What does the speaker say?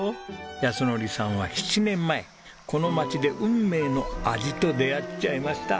靖典さんは７年前この町で運命の味と出会っちゃいました。